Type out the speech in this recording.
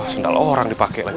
sandal orang dipakai lagi